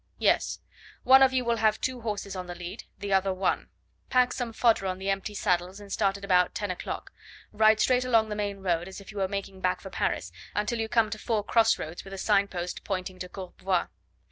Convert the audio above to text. "Yes. One of you will have two horses on the lead, the other one. Pack some fodder on the empty saddles and start at about ten o'clock. Ride straight along the main road, as if you were making back for Paris, until you come to four cross roads with a sign post pointing to Courbevoie.